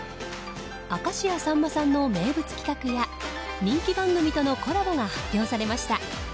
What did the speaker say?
明石家さんまさんの名物企画や人気番組とのコラボが発表されました。